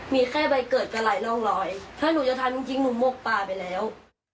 มีแค่ใบเกิดอะไรร่องรอยถ้าหนูจะทำจริงหนูหมกปลาไปแล้ว